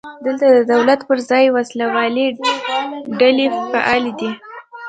دلته د دولت پر ځای وسله والې ډلې فعالې دي.